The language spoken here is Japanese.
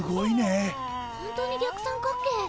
ホントに逆三角形！